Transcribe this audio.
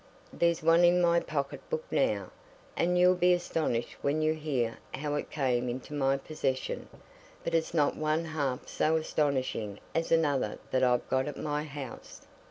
There's one in my pocket book now, and you'll be astonished when you hear how it came into my possession. But it's not one half so astonishing as another that I've got at my house."